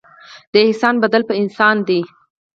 د احسان بدله په احسان ده.